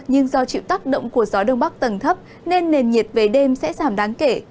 nhưng do chịu tác động của gió đông bắc tầng thấp nên nền nhiệt về đêm sẽ giảm đáng kể